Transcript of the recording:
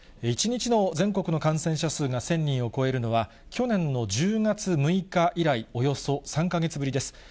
１日の全国の感染者数が１０００人を超えるのは、去年の１０月６日以来、およそ３か月ぶりです。